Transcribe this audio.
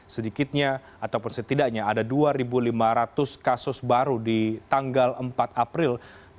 sedikitnya ataupun setidaknya ada dua lima ratus kasus baru di tanggal empat april dua ribu dua puluh